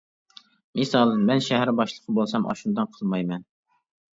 مىسال مەن شەھەر باشلىقى بولسام ئاشۇنداق قىلمايمەن.